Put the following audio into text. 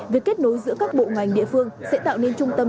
việc kết nối giữa các bộ ngành địa phương sẽ tạo nên trung tâm